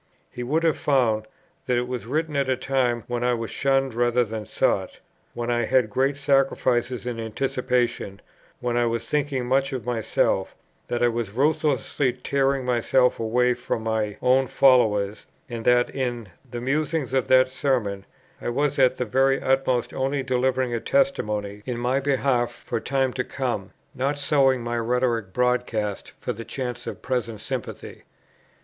He would have found, that it was written at a time when I was shunned rather than sought, when I had great sacrifices in anticipation, when I was thinking much of myself; that I was ruthlessly tearing myself away from my own followers, and that, in the musings of that Sermon, I was at the very utmost only delivering a testimony in my behalf for time to come, not sowing my rhetoric broadcast for the chance of present sympathy.